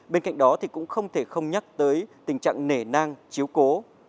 bên cạnh đó thì cũng không thể không nhắc tới tình trạng nể nang chiếu cố